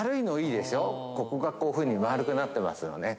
ここがこういうふうに円くなってますよね。